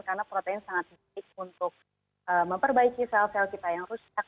karena protein sangat sedikit untuk memperbaiki sel sel kita yang rusak